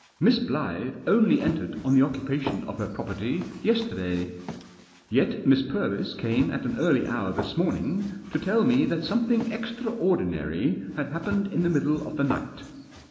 Miss Blyth only entered on the occupation of her property yesterday. Yet Miss Purvis came at an early hour this morning to tell me that something extraordinary had happened in the middle of the night.